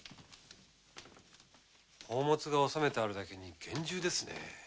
宝物が納めてあるだけに厳重ですね。